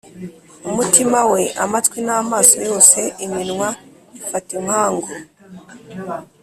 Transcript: umutima we amatwi n'amaso yose, iminwa ifata inkangu